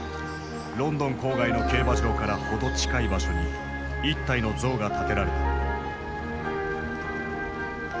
ロンドン郊外の競馬場から程近い場所に一体の像が建てられた。